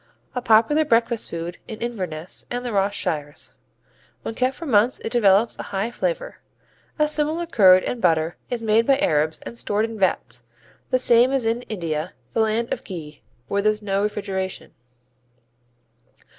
A popular breakfast food in Inverness and the Ross Shires. When kept for months it develops a high flavor. A similar curd and butter is made by Arabs and stored in vats, the same as in India, the land of ghee, where there's no refrigeration.